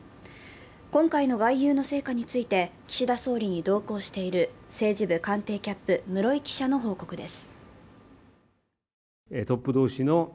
今回の外遊の成果について岸田総理に同行している政治部官邸キャップ、室井記者の報告です。